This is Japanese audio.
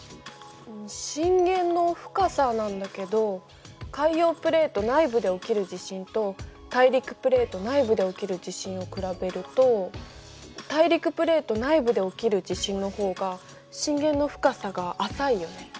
震源の深さなんだけど海洋プレート内部で起きる地震と大陸プレート内部で起きる地震を比べると大陸プレート内部で起きる地震の方が震源の深さが浅いよね。